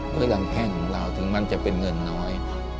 ก็ยังแข้งของเราถึงมันจะเป็นเงินน้อย